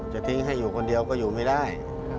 จะทิ้งให้อยู่คนเดียวก็อยู่ไม่ได้